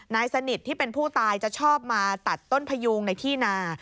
นายสนิทที่เป็นผู้ตายจะชอบมาตัดต้นพยูงในที่นา